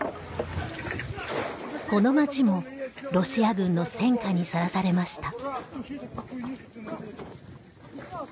この町もロシア軍の戦火にさらされました。